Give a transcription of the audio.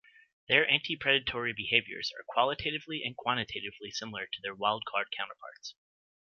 Their anti-predatory behaviors are qualitatively and quantitatively similar to their wild-caught counterparts.